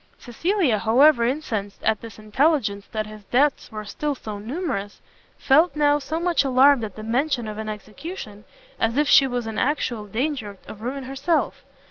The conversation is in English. Cecilia, however incensed at this intelligence that his debts were still so numerous, felt now so much alarmed at the mention of an execution, as if she was in actual danger of ruin herself.